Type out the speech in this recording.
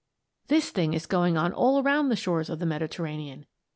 This thing is going on all around the shores of the Mediterranean.